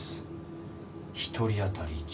１人当たり１０万。